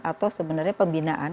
atau sebenarnya pembinaan